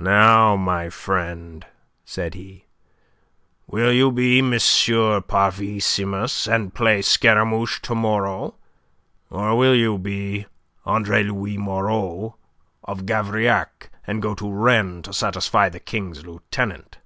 "Now, my friend," said he, "will you be M. Parvissimus and play Scaramouche to morrow, or will you be Andre Louis Moreau of Gavrillac and go to Rennes to satisfy the King's Lieutenant?"